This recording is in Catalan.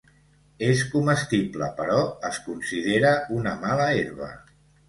És comestible però es considera una mala herba.